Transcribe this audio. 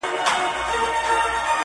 • په ښو مي یاد کړی زړو، زلمیانو ,